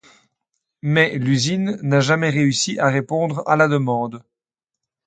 Mais l'usine n'a jamais réussi à répondre à la demande.